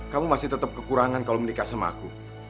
kamu masih tetap kekurangan kalau menikah sama aku